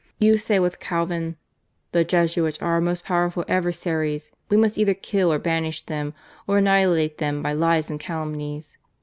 You say with Calvin :' The Jesuits are our most powerful adversaries, we must either kill or banish them, or annihilate them by lies and calumnies.'